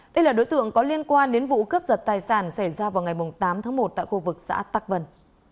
đây là đối tượng có liên quan đến vụ cướp giật tài sản xảy ra vào ngày tám tháng một tại khu vực xã tắc vân